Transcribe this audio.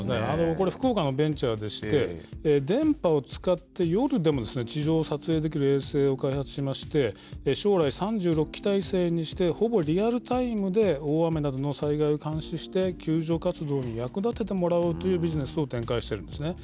これ福岡のベンチャーでして、電波を使って、夜でも地上を撮影できる衛星を開発しまして、将来、３６機体制にして、ほぼリアルタイムで、大雨などの災害を監視して、救助活動に役立ててもらおうというビジネスを展開しているんですね。